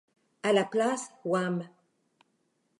À la place, Wham!